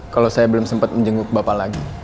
kalau saya belum sempat menjenguk bapak lagi